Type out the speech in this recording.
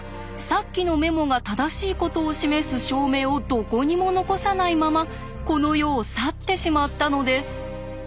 さっきのメモが正しいことを示す証明をどこにも残さないままこの世を去ってしまったのです。